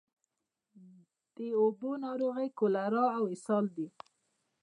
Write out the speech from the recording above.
د اوبو ناروغۍ کالرا او اسهال دي.